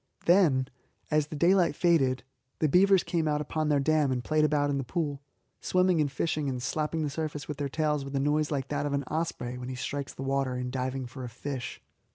Then, as the daylight faded, the beavers came out upon their dam and played about in the pool, swimming and diving and slapping the surface with their tails with a noise like that of an osprey when he strikes the water in diving for a fish.